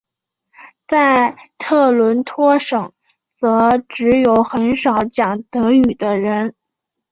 在特伦托省则只有很少讲德语的人。